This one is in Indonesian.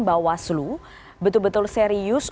bawaslu betul betul serius